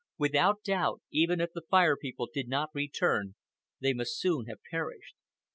Without doubt, even if the Fire People did not return, they must soon have perished.